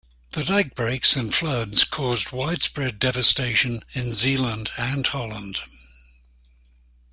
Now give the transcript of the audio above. The dike breaks and floods caused widespread devastation in Zeeland and Holland.